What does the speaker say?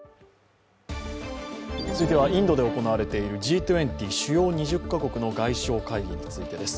続いてはインドで行われているＧ２０＝主要２０か国の外相会議についてです。